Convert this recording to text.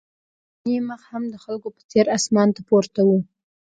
د چیني مخ هم د خلکو په څېر اسمان ته پورته و.